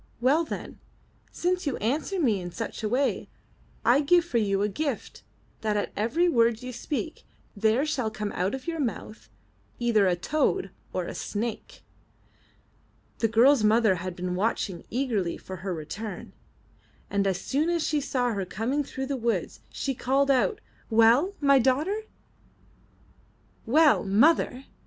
*Well then, since you answer me in such away, I give you for a gift that at every word you speak there shall come out of your mouth either a toad or a snake.*' The girl's mother had been watching eagerly for her return, and as soon as she saw her coming through the woods, she called out, 'Well, my daughter?" ''Well, mother!"